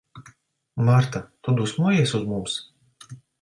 Marta, tu dusmojies uz mums?